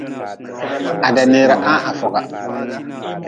Ha daneera ha-n ha foga.